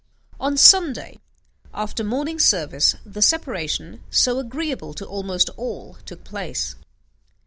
On Sunday, after morning service, the separation, so agreeable to almost all, took place.